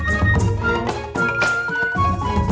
jadi ini adalah masalah